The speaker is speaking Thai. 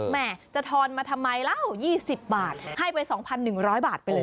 แม่จะทอนมาทำไมเล่า๒๐บาทให้ไป๒๑๐๐บาทไปเลย